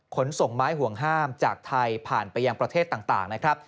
ขนส่งไม้ห่วงห้ามจากไทยผ่านไปยังประเทศต่างนะครับ